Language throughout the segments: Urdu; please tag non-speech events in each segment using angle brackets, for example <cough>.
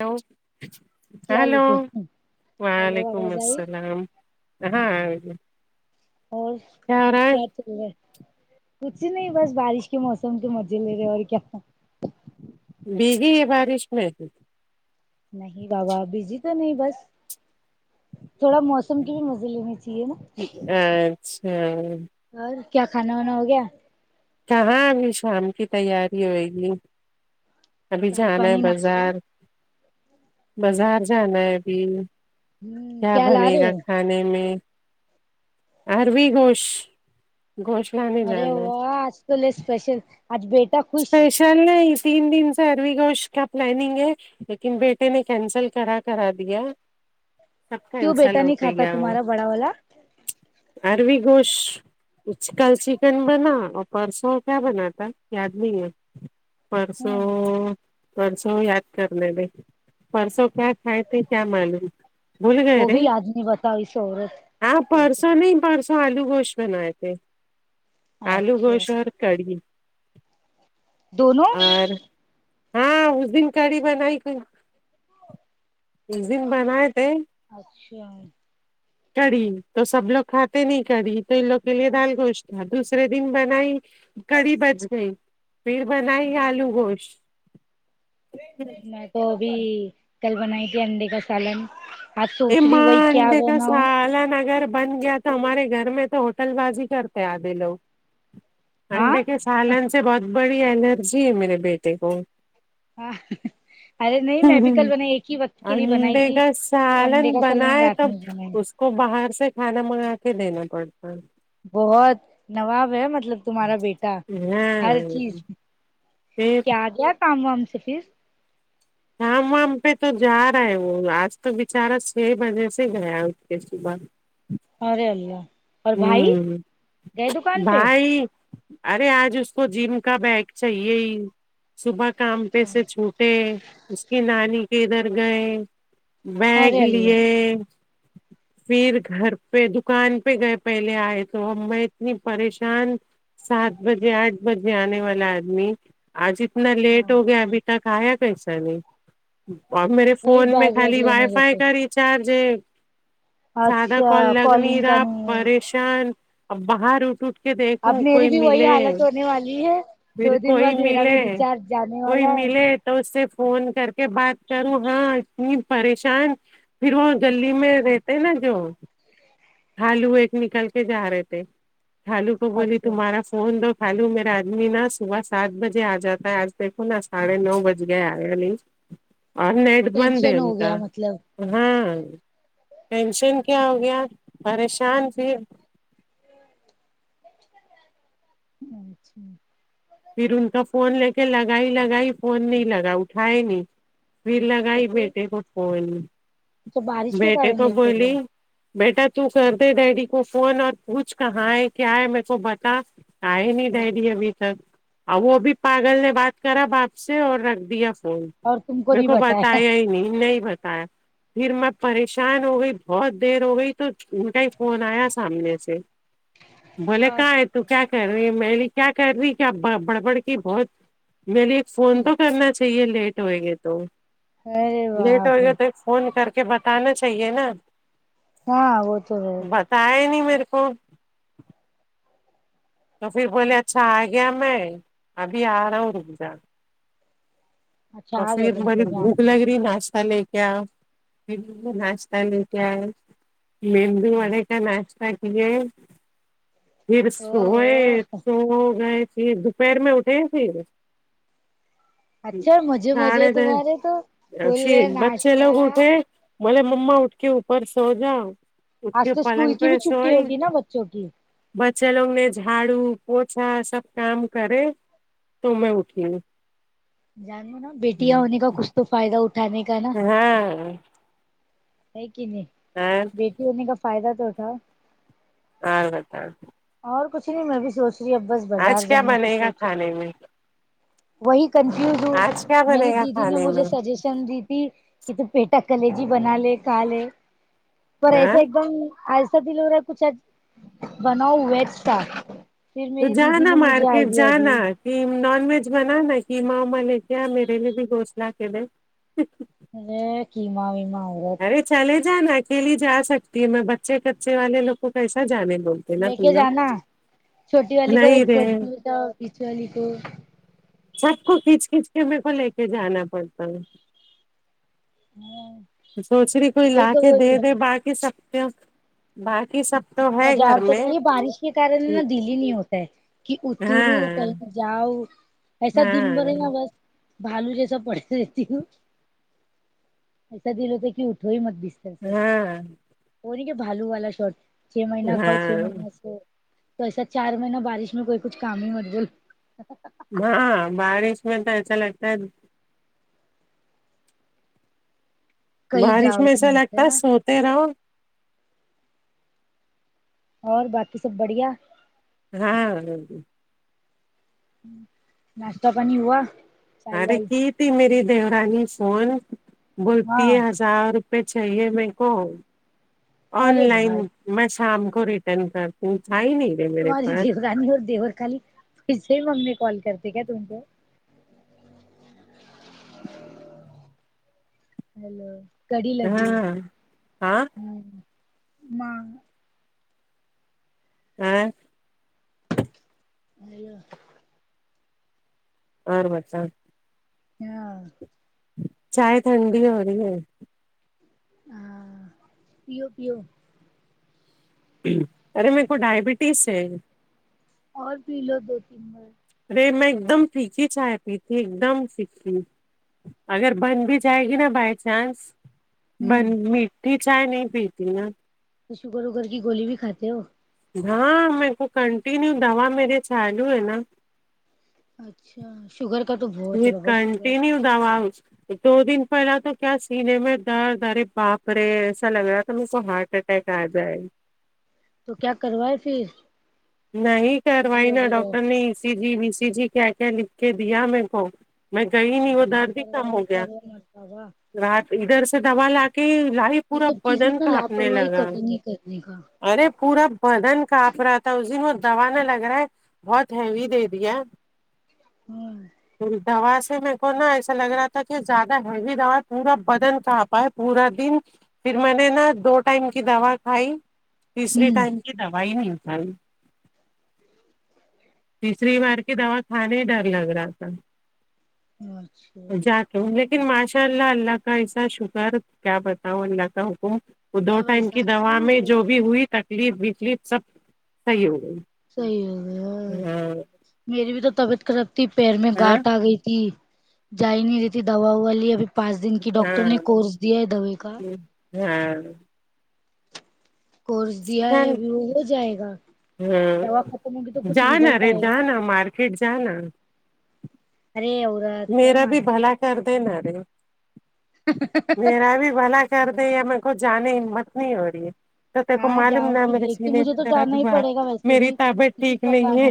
ہیلو السلام ہیلو علیکم ہیلو وعلیکم آواز آئی السلام ہاں اور ہو رہا ہے کیا چل رہا کچھ نہیں بس بارش کے موسم کے مزے لے رہے اور کیا بھیگی ہے بارش میں نہیں بابا بھیگی تو نہیں بس تھوڑا موسم تم کی بھی مزے لینی چاہیے نا اچھا اور کیا کھانا وانا ہو گیا کہاں ابھی شام کی تیاری ہوئے گی ابھی چائے جانا ہے پانی ناشتہ بازار بازار جانا ہے ابھی ہوں کیا لا بنے رہے گا ہو کھانے میں اروی گوشت گوشت لانے جانا ہے تولے اسپیشل آج بیٹ اسپیشل تین دن سے اروی گوشت کا پلاننگ ہے لیکن بیٹے نے کینسل کرا کرا دیا سب کیوں بیٹا کینسل نہیں کھاتا تمہارا بڑا والا اروی گوشت کل چکن بنا پرسوں کیا بنا تھا یاد نہیں ہے پرسوں ہوں پرسوں یاد کرنے دے پرسوں کیا کھائے تھے کیا معلوم بھول گئے وہ رے بھی آدمی بتاؤ اس آپ عورت پرسوں نہیں پرس آلو گوشت بنائے تھے آلو اچھا گوشت اور کڑھی دونوں اور ہاں اس دن کڑی بنائی کوئی اس دن بنائے تھے اچھا کڑی تو سب لوگ کھاتے نہیں کڑی تو ان لوگ کے لیے دال گوشت تھا دوسرے دن بنائی کڑی بچ گئی فیر بنائی آلو گوشت <unintelligible> میں تو ابھی کل بنائی تھی انڈے کا سالن آج اے سوچ رہی ماں وہی کیا انڈے کا بناؤ سالن اگر بن جات تو ہمارے گھر میں تو ہوٹل بازی کرتے ہیں آدھے لوگ ہاں انڈے کے سالن سے بہت بڑی الرجی ہے میرے بیٹے کو ہاں ارے نہیں میں بھی کل بنائی ایک ہی وقت کے لیے بنائی تھی تو انڈے لن کا سالن بنائے رات تب میں بنایا اس کو باہر سے کھانا منگا کے دینا پڑتا ہے بہت نواب ہے مطلب تمہارا بیٹا ہر ہاں چیز پھر کیا آ گیا کام وام سے فیر کام وام پے تو جا رہا ہے وہ آج تو بچارا چھے بجے سے گیا ہے اٹھ کے صبح ارے اللہ اور بھائی ہمم گئے دکان پہ بھائی ارے آج اس کو جم کا بیاگ چاہیے ہی صبح کام پے سے چھوٹ ٹے اس کی نانی کے ادھر گئے بیاگ ارے لیے اللہ فیر گھر پے دکان پے گئے پہلے آئے تو ہم میں اتنی پریشان سات بجے آٹھ بجے آنے والا آدمی آج اتنا لیٹ ہو گیا اچھا ابھی تک آیا کیسا نہیں اور میرے وہی فون میں بیگ ویگ خالی وائی لینے گئے فائی تھے کا ریچارج ہے سادہ کال اچھا لگ نہیں کالنگ کا رہا نہیں ہے پریشان اب باہر اٹھ اٹھ کے اب دیکھوں میری کوئی بھی وہی ملے حالت ہونے والی ہے پھر دو دن بعد کوئی میرا بھی ملے ریچارج جانے کوئی والا ہے ملے تو اس سے فون کر کے بات کروں ہاں اتنی پریشان پھر وہ گلی میں رہتے نا جو خالو ایک نکل کے جا رہے تھے خالو کو اب بولی تو تمہارا فون دو خالو میرا آدمی نا صبح سات بجے آ جاتا ہے آج دیکھو نا ساڑھے نو بج گئے آیا نہیں نیٹ بند ہے ٹینشن ان ہو کا گیا مطلب ہاں ٹینشن کیا ہو گیا پریشان تھی اچھا پھر ان کا فون لے کے لگائی لگائی فون نہیں لگا اٹھائے نہیں پھر تو لگائی پھر بیٹے کو فون تو بارش کے بیٹے کارن کو لیٹ ہو بولی گیا بیٹا تو کر دے ڈیڈی کو فون اور پوچھ کہاں ہے کیا ہے مے کو بتا آئے نہیں ڈیڈی ابھی تک اور وہ ابھی پاگل نے بات کرا باپ سے اور رکھ دیا فون اور تم میرے نہیں کو بتایا ہی نہیں نہیں ہی بتایا پھر میں پریشان ہو گئی بہت دیر ہو گئی تو ان کا ہی فون آیا سامنے سے بولے کہاں ہے اچھا تو کیا کر رہی میں بولی کیا کر رہی کیا بڑبڑ کی بہت مے لی ایک فون تو کرنا چاہیے لیٹ ہوئے گے تو ارے لیٹ باپ ہوئے رے گا تو فون کر کے بتانا چاہیے نا ہاں وہ تو ہے بتا ہی نہیں میرے کو تو پھر بولے اچھا آ گیا میں ابھی آ رہا ہوں رک جا اچھا تو آ گئے تھے پھر بڑ مطلب یہاں بھوک سے لگ رہی ناشتہ لے کے ا ناشہ لے کے آے مندو واڈے کا ناشتہ کیے پھر او ہو سوئے سو گئے تھے دوپہر میں اٹھے فیر اچھا مزے مزے سڑے تمہارے تو دس فل چھے بچے ناشتہ لوگ اٹھے مولے ممما اٹ کے اوپر سو جاؤ اٹھ آج کے تو اسکول پلنگ کی بھی پہ چھٹی سوئی ہوگی نا بچوں کی بچے لوگ نے جھاڑو پوچھا سب کام کرے تو میں اٹھی ہوں جانو نا بیٹیاں ہونے کا کچھ تو فائدہ اٹھانے کا نہیں ہاں ہے کی نہیں ا سونے کا فائدہ تو اٹھاو <unintelligible> اور کچھ نہیں میں بھی سوچ رہی اب بس بازار آج کیا جانے کی بنے گا سوچ رہی کھانے میں وہی کنفیوز ہو آج کیا بنے میری گا دیدی نے کھانے میں مجھے سجسٹ چی تھی کہ ت پیٹا کل جی بنا لے کھا لے پر ہاں ایسا ایک دم ایسا دل ہو رہا ہے کچھ بناؤ ویج سا پھر تو میری دیدی جانا نے مجھے مارکیٹ آئیڈیا دی جانا نان ویج بنا نا ہیما وما لے کے آ میرے لیے بھی گوشت لا کے دے اے قیما ویما ہوا ا چلے جانا اکیلی جا سکتی ہے میں بچے کچے والے لوگ کو کیسا جانے دوں گی لے کے جانا چھوٹی والی کو ایک نہیں رے قتا بی والی کو سب کو کھچ کھچ کے میرے کو لے کے جانا پڑتا ہے ہوں سوچری کو لا کے دے دے باقی سب کی باقی سب تو ہے بازار گھر تو میں جاہے بارش کے کارن ہے نا دل ہی نہیں ہوتا ہے کہ اترو ہاں کہیں جاؤ ایسا دن بھر ہے نا ہاں بس بھالو جیسا پڑتی رہتی ہوں ایسا دل ہوتا ہے کی اٹھو ہی مت بس ہاں وہ نہیں کہ بھالو والا شوٹ چھ مہینہ کاؤ چھ ہاں مہینہ سو تو ایسا چار مہینہ بارش میں کوئی کچھ کام ہی مربل ہاں بارش میں تو ایسا لگتا ہے کہیں بارش جاؤ میں ہی ایسا مت لگتا ہے نا سوتے رہو اور باقی سب بڑھیا ہاں ناشتہ پانی ہوا چائے ابھی وائی کی ٹھی میری دیورانی فون ہاں بولتی ہے حس ہزار روپئے چاہیے میر کو آن ارے لائن بھائی میں شام کو ریٹرن کرتی ہو تھا ہی نئی تمہاری دیورانی اور دیور خالی پیسے مانگنے کال کرتے کیا تم کو ہاں ہاں <unintelligible> <unintelligible> ہیلو اور بتاؤ ہاں چائے ٹھنڈی ہو رہی ہے ہاں پیو پیو ارے میرے کو ڈائبٹیز ہے اور پی لو دو تین بار رے میں ایک دم فکی چائے پی تھی ایک دم فکی اگر بن بھی جائے گی نا بائی چانس بن ہوں میٹھی چائے نہیں پیتی نا شوگر ووگر کی گولی بھی کھاتے ہو ہاں میر کو کنٹینیو دوا میرے چالو ہے نا اچھا شوگر کا تو بہت ہے بابا شوگر وا <unintelligible> دو دن پہلا تو کیا سینے میں در در باپرے ایسا لگ رہا تھا ان کو ہارڈ ٹہ کہ آا جائے تو کیا کروائے پھر نہیں سرجری کروائی نا وغیرہ ڈاکٹر نے ای سی جی و سی جی کیا کیا لکھ کے دیا میریکو میں گئی نہیں <unintelligible> ج پروائی کرو ہوتا گا رات ادھر سے دوا لا کے لائی یہ پورا سب چیز میں بدن نا کاپنے لاپرواہی لگا کبھی نہیں کرنے کا ارے پورا بدن کانپ رہا تھا تون وہ دوا نہ لگ رہا ہے بہت ہیوی دے دیا ہ دوا سے میریک کو نا ایسا لگ رہا تھا کہ زیادہ ہیوی دوا پورا بدن کانپا ہے پورا دن پھر میں نے نا دو ٹائم کی دوا کھائی تیسری ہوں ٹائم کی دو ہی نہیں کھائی تیسری بار کی دوا کھانے ڈر لگ رہا تھا اچھا جا لیکن ماشاء اللہ اللہ کا ایسا شکر کیا بتاؤں اللہ کا حکم وہ دو ارے ٹائم ویسا کی دوا نا میں وہ جو بھی ہوئی تکلیف وکلیف سب صحیح ہو گئی صحیح ہے ہاں میری بھی تو طبیعت خراب تو پیر میں ہاں گاٹ آ گئی تھی جائی نہیں رہتی دوا وا لیے ابھی پانچ دن کی ڈاکٹر نے ہاں کورس دیا ہے دوا کا ہاں کورس دیا ہے چل اب وہ ہو جائے گا ہاں دوا ختم ہوگی تو کچھ جانا ریزلٹ رے آئے گا جانا مارکیٹ جانا ارے عورت کیا میرا بھی مانتی بھلا کر د نارے میرا بھی بلا کر دیں یا میرے کو جانے ہمت نہیں ہو رہی ہے تو تیےکو ہاں معلوم جاؤں نہ گی میرے دیکھ کے سینے مجھے میں تو جانا ہی دردہے پڑے گا ویسے میری بھی طبیعت کیونکہ ٹھیک نہیں پکان ہے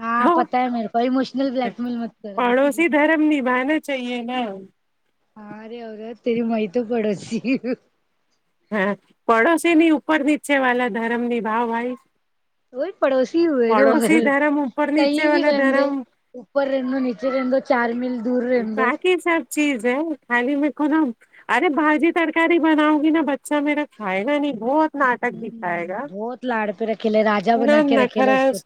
ہاں تو پتہ ہے میرے کو ایموشنل بلیک میل مت کر ابھی پڑوسی دھرم نبھانا چاہیے نا ہاں رے اورد تری مئیت پڑوسی ہاں پڑوسی میں اوپر نیچے والا دھرم نبھاؤ بھائی وہ پڑوسی ہوئے تھے مگر پڑوسی دھرم اوپر کہیں نیچے بھی والا رہندے دھرم اوپر رہندو نیچے رہندو چار میل دور رہنے دو باقی سب چیز ہے خالی میں کونا ارے باجی ترکاری بناؤں گی نا بچہ میرا کھائے گا نہیں بہت ناٹک بھی کھائے ہوں گا بہت لاڑ پہ رکھے لے راجا نہ بنا کے رکھے لے نخرا اس کو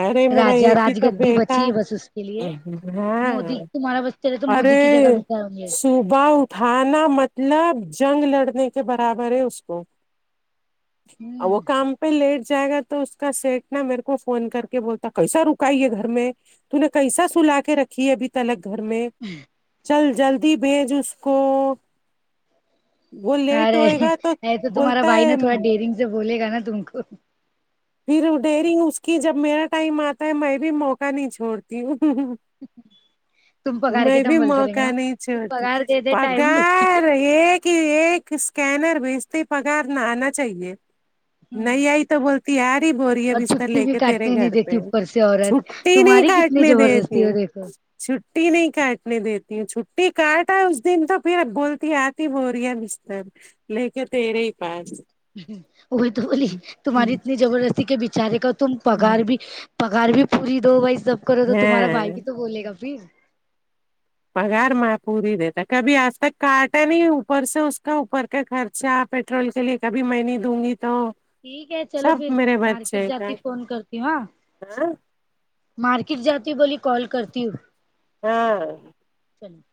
ارے میرا راجا ایک ہی راج تو گدی بیٹا بچی ہے بس اس کے لیے ہاں مودی تمہارا بچے رہے تو مودی ارے کی جگہ بتائے ہوں گے صبح اؤ تھانا مطلب جنگ لڑنے کے برابر ہے اس کو اور وہ کام پہ لیٹ جائے گا تو اس کا سیٹ نا میرے کو فون کر کے بولتا کیسا رکائیے گھر میں تو نے کیسا سولا کے رکھی ہے ابھی تلک گھر میں چل جلدی بھیج اس کو وہ لیٹ ارے ہوئے گا تو بولتا ہے رینگ سے بولے گا نا تم کو پھر ڈیری اس کی جب میرا ٹائم آتا ہے میں بھی موقع نہیں چھوڑتی ہو ہ میں بھی موقع نہیں تو چھوڑتی پگار دے دے ٹائم پہ پگار ایک کہ ایک اسکینر بھیجتے پگار نہ آنا چاہیے نہیں آئی تو بولتے تیاری بورئیے اور بستر چھٹی لے بھی کے تیرے کاٹنے نہیں گھر دیتی پہ اوپر سے عورت چھٹی نہیں تمہاری کتنی کاٹنے دیتی زبردستی ہے ہو دیکھو چھٹی نہیں کاٹنے دیتی ہے چھٹی کاٹا ہے اس دن تو پھر اب بولتیہے آج تی بوریا بستر لے کے تیرے ہی پاس وہ تو بولی تمہاری اتنی جبردستی کہ بیچارے کو تم پگار بھی پگار بھی پوری دو بھائی سب کرو تو تمہارا بھائی ہاں بھی تو بولے گا پھر پگار ماں پوری دیتا کبھی آج تک کاٹا نہیں اوپر سے اس کا اوپر کا خرچہ پیٹرول کے لیے کبھی میں نہیں دوں گی تو ٹھیک ہے چلو سب پھر میرے مارکیٹ بچے کا جاتی فون کرتی ہ ہاں ہاں مارکیٹ جاتی ہوں بولی کال کرتی ہوں ہاں چلو